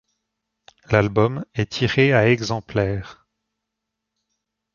L'album est tiré à exemplaires.